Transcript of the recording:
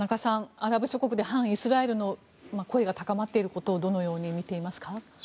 アラブ諸国で反イスラエルの声が高まっていることをどのように見ていますか？